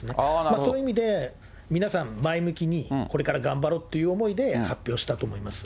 その意味で、皆さん、前向きに、これから頑張ろうという思いで発表したと思います。